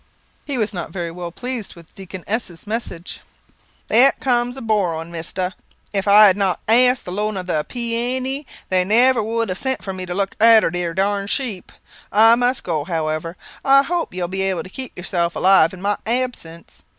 He was not very well pleased with Deacon S 's message. "That comes of borrowing, mister. If I had not asked the loan of the pee a ne, they never would have sent for me to look arter their darned sheep. I must go, however. I hope you'll be able to keep yourself alive in my absence.